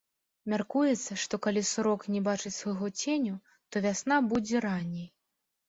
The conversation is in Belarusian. Мяркуецца, што калі сурок не бачыць свайго ценю, то вясна будзе ранняй.